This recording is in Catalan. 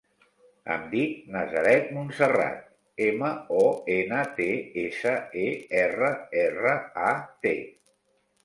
Em dic Nazaret Montserrat: ema, o, ena, te, essa, e, erra, erra, a, te.